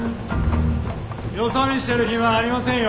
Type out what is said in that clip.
よそ見してるヒマありませんよ